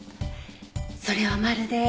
それはまるで。